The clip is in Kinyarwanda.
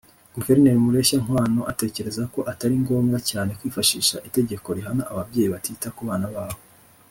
Guverineri Mureshyankwano atekereza ko atari ngombwa cyane kwifashisha itegeko rihana ababyeyi batita ku bana babo